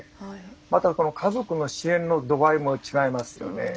また家族の支援の度合いも違いますよね。